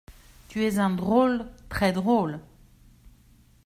Tu es un drôle très-drole.